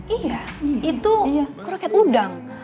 iya itu kroket udang